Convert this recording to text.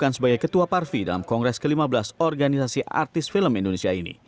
dan sebagai ketua parvi dalam kongres ke lima belas organisasi artis film indonesia ini